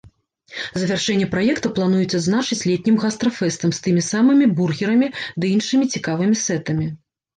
Завяршэнне праекта плануюць адзначыць летнім гастрафэстам з тымі самымі бургерамі ды іншымі цікавымі сэтамі.